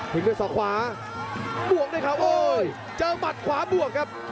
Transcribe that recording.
เห็นด้วย๒ขวาบวกด้วยครับโอ้โหเจอหมัดขวาบวกครับ